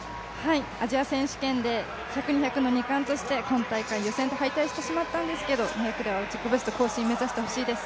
アジア選手権で１００、２００の２冠として今大会予選敗退してしまったんですけど２００では更新目指してほしいです。